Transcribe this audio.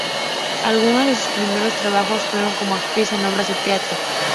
Algunos de sus primeros trabajos fueron como actriz en obras de teatro.